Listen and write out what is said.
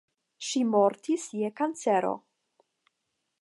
Ŝi mortis je kancero.